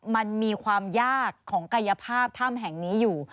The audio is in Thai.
มันมีความยากของกายภาพถ้ำแห่งนี้อยู่